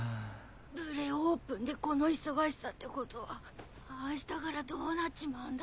プレオープンでこの忙しさってことは明日からどうなっちまうんだ？